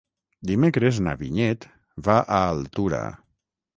Dimecres na Vinyet va a Altura.